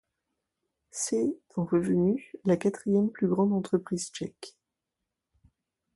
C’est, en revenus, la quatrième plus grande entreprise tchèque.